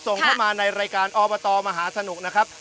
ส่งเข้ามาในรายการอบตมหาสนุกนะครับ